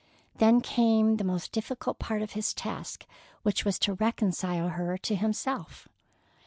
Then came the most difficult part of his task, which was to reconcile her to himself.